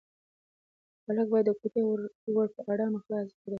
هلک باید د کوټې ور په ارامه خلاص کړی وای.